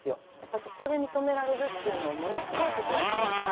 そこで認められるっていうのはすごいことだと思うから。